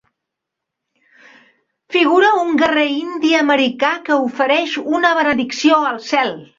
Figura un guerrer indi americà que ofereix una benedicció al cel.